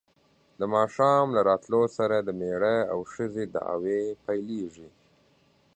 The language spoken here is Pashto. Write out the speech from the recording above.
د ماښام له راتلو سره د مېړه او ښځې دعوې پیلېږي.